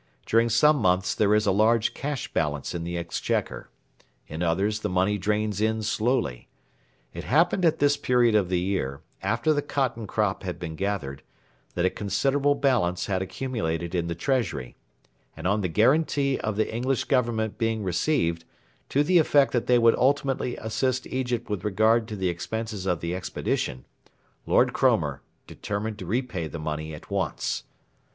During some months there is a large cash balance in the Exchequer. In others the money drains in slowly. It happened at this period of the year, after the cotton crop had been gathered, that a considerable balance had accumulated in the Treasury, and on the guarantee of the English Government being received, to the effect that they would ultimately assist Egypt with regard to the expenses of the expedition, Lord Cromer determined to repay the money at once.